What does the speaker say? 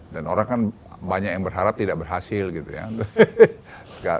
dan orang kan banyak yang berharap tidak berhasil gitu ya